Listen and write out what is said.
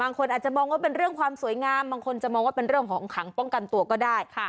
คนอาจจะมองว่าเป็นเรื่องความสวยงามบางคนจะมองว่าเป็นเรื่องของขังป้องกันตัวก็ได้